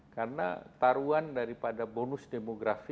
karena taruhan daripada bonus demografi